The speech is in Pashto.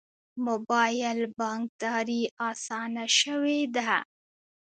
موبایل بانکداري اسانه شوې ده